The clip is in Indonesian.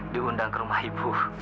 diundang ke rumah ibu